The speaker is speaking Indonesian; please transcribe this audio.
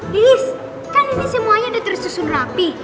liris kan ini semuanya udah tersusun rapih